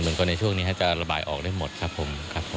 ๘หมื่นคนในช่วงนี้จะระบายออกได้หมดครับผม